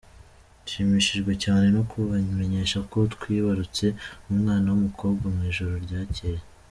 "Nshimishijwe cyane no kubamenyesha ko twibarutse umwana w'umukobwa mu ijoro ryacyeye.